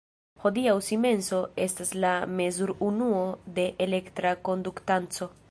Hodiaŭ simenso estas la mezur-unuo de elektra konduktanco.